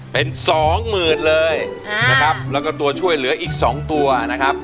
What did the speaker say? เป็นสองหมื่นเลยนะครับแล้วก็ตัวช่วยเหลืออีก๒ตัวนะครับ